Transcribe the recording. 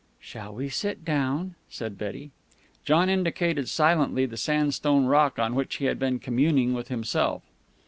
"Shall we sit down?" said Betty. John indicated silently the sandstone rock on which he had been communing with himself.